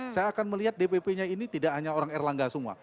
saya akan melihat dpp nya ini tidak hanya orang erlangga semua